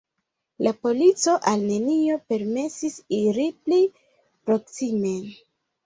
La polico al neniu permesis iri pli proksimen.